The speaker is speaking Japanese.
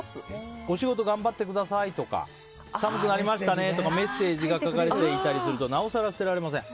お仕事頑張ってくださいとか寒くなりましたねとかメッセージが書かれていたりでなおさら捨てられません。